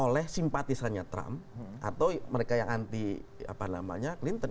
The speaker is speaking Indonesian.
oleh simpatisannya trump atau mereka yang anti clinton